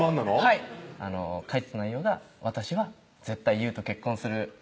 はい書いてた内容が「私は絶対雄と結婚する」